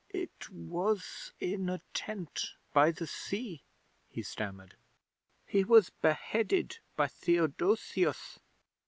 '"It was in a tent by the sea," he stammered. "He was beheaded by Theodosius.